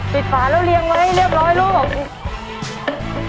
ฝาแล้วเรียงไว้เรียบร้อยลูก